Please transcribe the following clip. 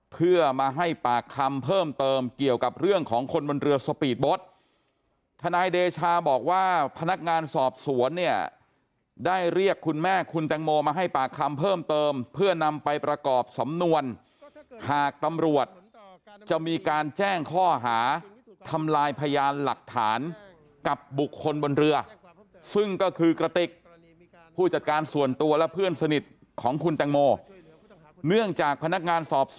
เพื่อมาให้ปากคำเพิ่มเติมเกี่ยวกับเรื่องของคนบนเรือสปีดโบ๊ทนายเดชาบอกว่าพนักงานสอบสวนเนี่ยได้เรียกคุณแม่คุณแตงโมมาให้ปากคำเพิ่มเติมเพื่อนำไปประกอบสำนวนหากตำรวจจะมีการแจ้งข้อหาทำลายพยานหลักฐานกับบุคคลบนเรือซึ่งก็คือกระติกผู้จัดการส่วนตัวและเพื่อนสนิทของคุณแตงโมเนื่องจากพนักงานสอบ